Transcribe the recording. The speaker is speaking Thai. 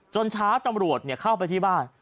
จนช้าตำรวจเข้าไปที่บ้าน